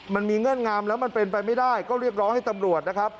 เงื่อนงามแล้วมันเป็นไปไม่ได้ก็เรียกร้องให้ตำรวจนะครับ